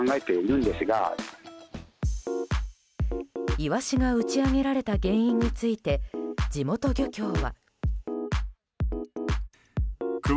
イワシが打ち上げられた原因について地元漁業は。